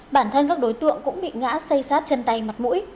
bản thân các đối tượng cũng bị ngã xây sát chân tay mặt mũi